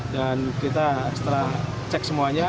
dan kita setelah cek semuanya